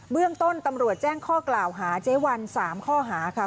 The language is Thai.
เรื่องต้นตำรวจแจ้งข้อกล่าวหาเจ๊วัน๓ข้อหาค่ะ